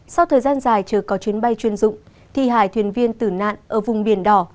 sau thời gian dài chờ có chuyến bay chuyên dụng thi hai thuyền viên tử nạn ở vùng biển đỏ